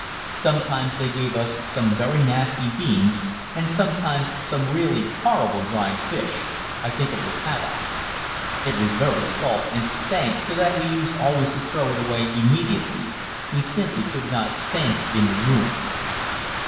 Sometimes they gave us some very nasty beans and sometimes some really horrible dried fish I think it was haddock. It was very salt, and stank so that we used always to throw it away immediately we simply could not stand it in the room.